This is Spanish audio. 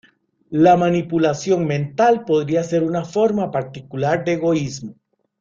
La manipulación mental podría ser una forma particular de egoísmo.